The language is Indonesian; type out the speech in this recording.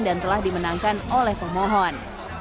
dan telah dimenangkan oleh pemohon